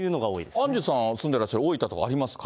アンジュさん住んでらっしゃる大分にもあります？